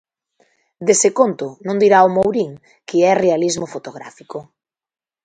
Dese conto non dirá o Mourín que é realismo fotográfico.